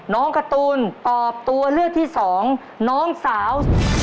การ์ตูนตอบตัวเลือกที่สองน้องสาว